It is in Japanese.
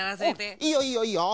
いいよいいよいいよ。